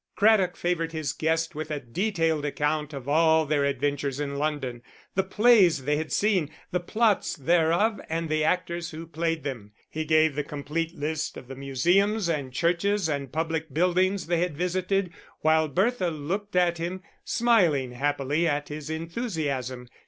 Craddock favoured his guest with a detailed account of all their adventures in London, the plays they had seen, the plots thereof and the actors who played them. He gave the complete list of the museums and churches and public buildings they had visited, while Bertha looked at him, smiling happily at his enthusiasm.